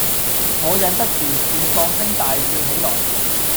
我忍不住，便放聲大笑起來，